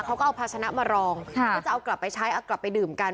เขาก็เอาภาชนะมารองเพื่อจะเอากลับไปใช้เอากลับไปดื่มกัน